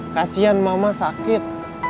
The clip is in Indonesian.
kasian mama sakit